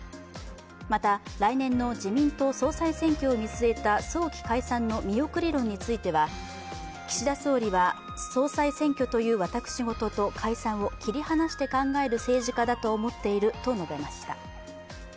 また、来年の自民党総裁選挙を見据えた早期解散の見送り論については岸田総理は総裁選挙という私事と解散を切り離して考える政治家だと思っていると述べました。